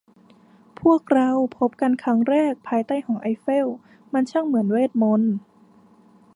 พวกเราพบกันครั้งแรกภายใต้หอไอเฟล มันช่างเหมือนเวทมนตร์